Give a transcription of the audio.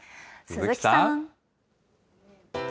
鈴木さん。